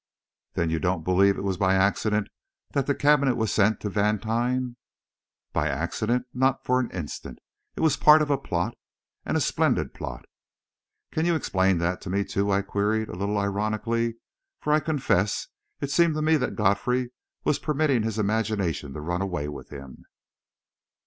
"Then you don't believe it was by accident that cabinet was sent to Vantine?" "By accident? Not for an instant! It was part of a plot and a splendid plot!" "Can you explain that to me, too?" I queried, a little ironically, for I confess it seemed to me that Godfrey was permitting his imagination to run away with him.